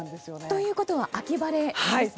ということは秋晴れですね。